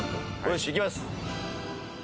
よしいきます！